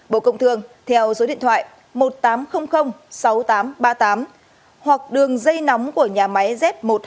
bộ công thương theo số điện thoại một nghìn tám trăm linh sáu nghìn tám trăm ba mươi tám hoặc đường dây nóng của nhà máy z một trăm hai mươi